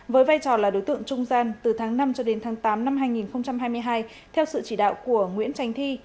với vai trò là đối tượng trung gian từ tháng năm cho đến tháng tám năm hai nghìn hai mươi hai theo sự chỉ đạo của nguyễn tránh thi